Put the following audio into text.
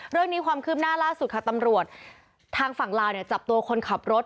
เรื่องนี้ความคืบหน้าล่าสุดค่ะตำรวจทางฝั่งลาวเนี่ยจับตัวคนขับรถ